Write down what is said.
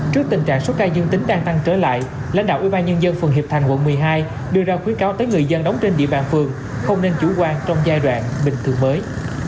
trước tình trạng số ca dương tính đang tăng trở lại lãnh đạo ubnd phường hiệp thành quận một mươi hai đưa ra khuyến cáo tới người dân đóng trên địa bàn phường không nên chủ quan trong giai đoạn bình thường mới